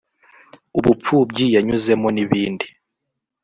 ubupfubyi yanyuzemo n’ibindi